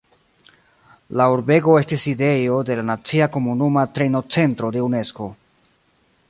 La urbego estis sidejo de la Nacia Komunuma Trejnocentro de Unesko.